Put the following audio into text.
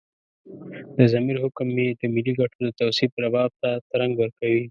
د ضمیر حکم مې د ملي ګټو د توصيف رباب ته ترنګ ورکوي.